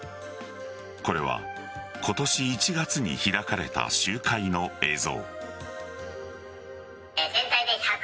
これは今年１月に開かれた集会の映像。